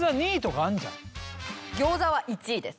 餃子は１位です。